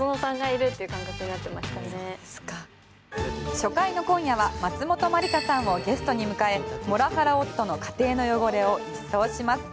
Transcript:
初回の今夜は松本まりかさんをゲストに迎えモラハラ夫の家庭の汚れを一掃します。